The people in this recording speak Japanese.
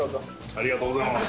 ありがとうございます。